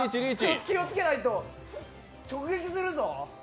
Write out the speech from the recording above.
気をつけないと、直撃するぞ。